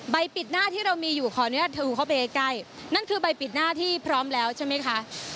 ปิดหน้าที่เรามีอยู่ขออนุญาตถูเข้าไปใกล้นั่นคือใบปิดหน้าที่พร้อมแล้วใช่ไหมคะ